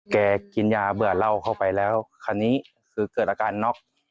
แกกินยาเบือกเล่าเข้าไปแล้วคราวนี้เกิดอาการนอก